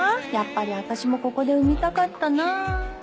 やっぱり私もここで生みたかったなぁ。